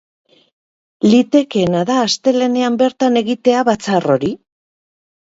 Litekeena da astelehenean bertan egitea batzar hori.